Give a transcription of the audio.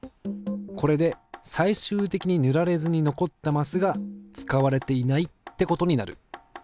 これで最終的に塗られずに残ったマスが使われていないってことになる。